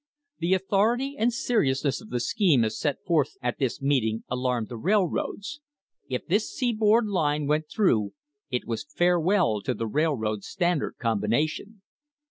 The authority and seriousness of the scheme as set forth at this meeting alarmed the railroads. If this seaboard line went through it was farewell to the railroad Standard combination.